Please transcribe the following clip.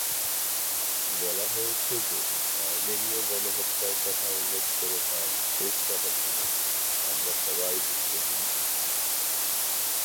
বলা হয়েছে যে আর্মেনিয় গণহত্যার কথা উল্লেখ করে তার শেষ কথা ছিল "আমরা সবাই ভুক্তভোগী"।